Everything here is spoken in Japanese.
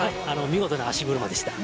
見事な足車でした。